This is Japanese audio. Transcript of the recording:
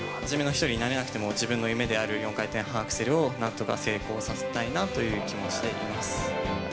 初めの１人になれなくても自分の夢である４回転半アクセルをなんとか成功させたいなという気持ちでいます。